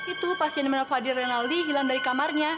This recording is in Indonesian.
itu pasien menempat fadil rinaldi hilang dari kamarnya